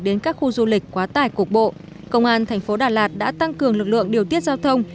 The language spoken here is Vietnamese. đến các khu du lịch quá tải cục bộ công an thành phố đà lạt đã tăng cường lực lượng điều tiết giao thông